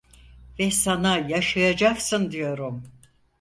Ve sana yaşayacaksın diyorum…